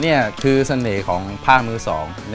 นี่คือเสน่ห์ของผ้ามือสอง